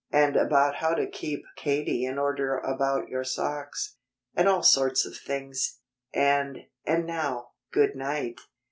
And about how to keep Katie in order about your socks, and all sorts of things. And and now, good night."